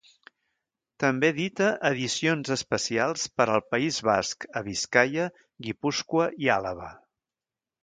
També edita edicions especials per al País Basc a Biscaia, Guipúscoa i Àlaba.